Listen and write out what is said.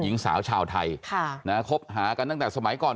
หญิงสาวชาวไทยค่ะนะคบหากันตั้งแต่สมัยก่อน